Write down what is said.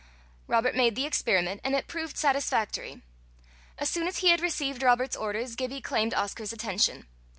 Robert made the experiment, and it proved satisfactory. As soon as he had received Robert's orders, Gibbie claimed Oscar's attention.